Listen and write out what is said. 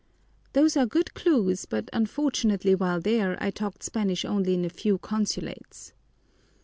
"Those are good clues, but unfortunately while there I talked Spanish only in a few consulates."